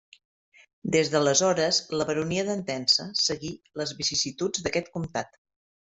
Des d'aleshores la baronia d'Entença seguí les vicissituds d'aquest comtat.